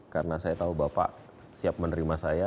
karena saya tahu bapak siap menerima saya